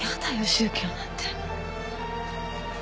宗教なんて。